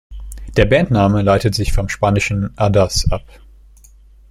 Der Bandname leitet sich vom spanischen „hadas“ ab.